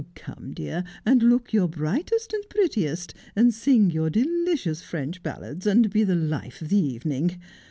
Come, dear, and look your brightest and prettiest, and sing your delicious French ballads, and be the life of the evening.